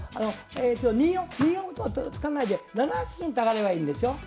えと２四歩と突かないで７八金と上がればいいんでしょ？